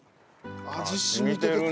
染みてるね。